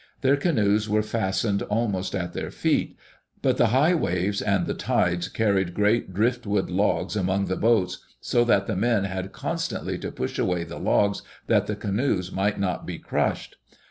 Their canoes were fastened aknost at their feet, but the high waves and the tides carried great driftwood logs among the boats, so that the men had constantly to pu^h away the logs that the canoes might not be crushed.